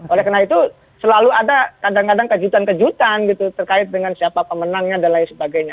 oleh karena itu selalu ada kadang kadang kejutan kejutan gitu terkait dengan siapa pemenangnya dan lain sebagainya